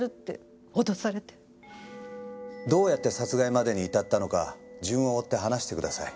どうやって殺害までに至ったのか順を追って話してください。